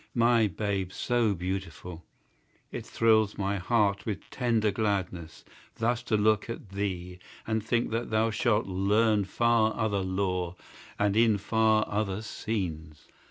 My babe so beautiful! it thrills my heart With tender gladness, thus to look at thee, And think that thou shalt learn far other lore, And in far other scenes!